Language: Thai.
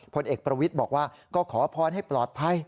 ผลเอกประวิทย์บอกว่าก็ขอพรให้ปลอดภัย